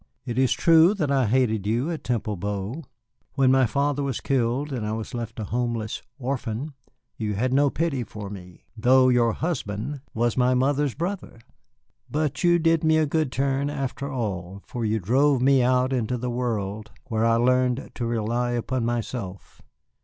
"It is true that I hated you at Temple Bow. When my father was killed and I was left a homeless orphan you had no pity for me, though your husband was my mother's brother. But you did me a good turn after all, for you drove me out into a world where I learned to rely upon myself.